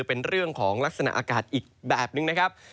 เป็นเรื่องของลักษณะอากาศอีกแบบนึงนะครับ